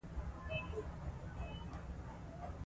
ژبه د انسان شخصیت ښيي.